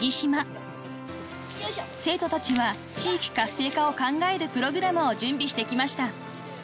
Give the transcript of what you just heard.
［生徒たちは地域活性化を考えるプログラムを準備してきました］